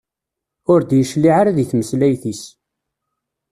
Ur d-yecliε ara deg tmeslayt-is.